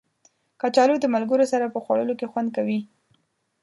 کچالو د ملګرو سره په خوړلو کې خوند کوي